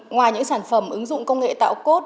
ngoài những sản phẩm ứng dụng công nghệ tạo cốt